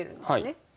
はい。